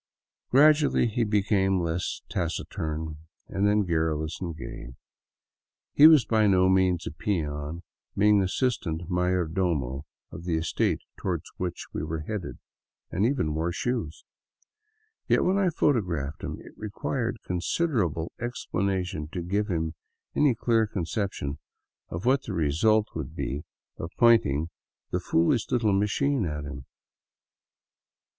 Gradually he became less taciturn, then garrulous and gay. He was by no means a peon, being assistant mayordomo of the estate toward which we were headed, and even wore shoes. Yet when I photographed him, it required considerable explanation to give him any clear conception of what the result would be of " pointing the foolish little machine " at him.